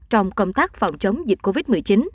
phòng chống dịch covid một mươi chín